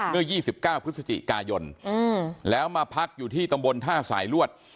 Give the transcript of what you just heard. เมื่อ๒๙พฤศจิกายนแล้วมาพักอยู่ที่ตำบลท่าสายลวด